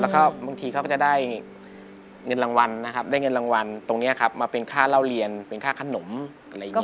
แล้วก็บางทีเขาก็จะได้เงินรางวัลนะครับได้เงินรางวัลตรงนี้ครับมาเป็นค่าเล่าเรียนเป็นค่าขนมอะไรอย่างนี้